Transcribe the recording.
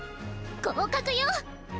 合格よ！